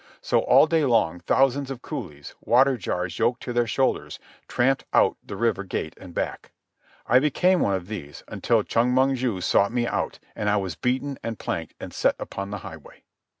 So all day long thousands of coolies, water jars yoked to their shoulders, tramp out the river gate and back. I became one of these, until Chong Mong ju sought me out, and I was beaten and planked and set upon the highway.